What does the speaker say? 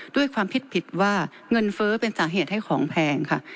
ด้วยความผิดผิดว่าเงินเฟ้อเป็นสาเหตุให้ของแพงค่ะ